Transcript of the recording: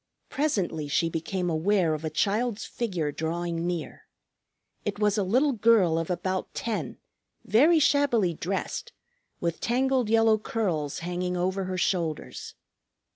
Presently she became aware of a child's figure drawing near. It was a little girl of about ten, very shabbily dressed, with tangled yellow curls hanging over her shoulders.